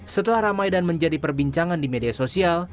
setelah ramai dan menjadi perbincangan di media sosial